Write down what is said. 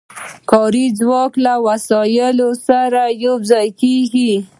کاري ځواک له وسایلو سره یو ځای کېږي